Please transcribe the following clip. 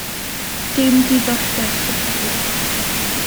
Dim diddordeb o gwbl.